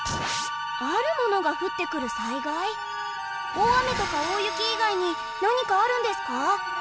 大雨とか大雪以外に何かあるんですか？